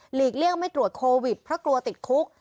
เลี่ยงไม่ตรวจโควิดเพราะกลัวติดคุก